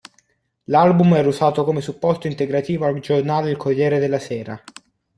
L'album era usato come supporto integrativo al giornale Il Corriere della Sera.